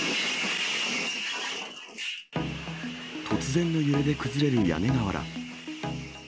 突然の揺れで崩れる屋根瓦。